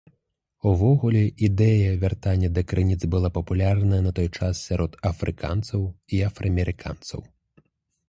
Увогуле, ідэя вяртання да крыніц была папулярная на той час сярод афрыканцаў і афраамерыканцаў.